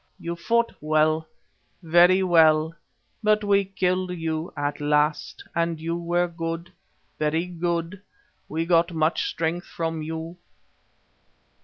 You fought well, very well, but we killed you at last, and you were good, very good; we got much strength from you.